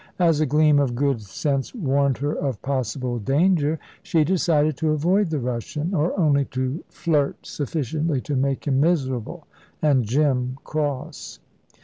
As a gleam of good sense warned her of possible danger, she decided to avoid the Russian, or only to flirt sufficiently to make him miserable and Jim cross.